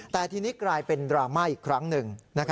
แต่ทีนี้กลายเป็นดราม่าอีกครั้งหนึ่ง